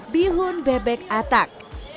bihun bebek atak